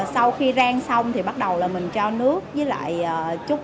sau khi rang xong thì bắt đầu là mình cho nước với lại chút